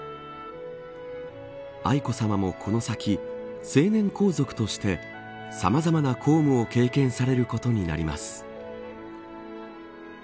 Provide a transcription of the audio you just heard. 愛子さまも、この先成年皇族としてさまざまな公務を経験されることになります。